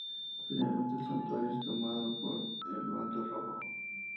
Finalmente el Santuario es tomado por el bando rojo.